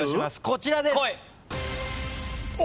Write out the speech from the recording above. こちらです。